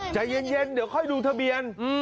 ใจเย็นเดี๋ยวค่อยดูทะเบียน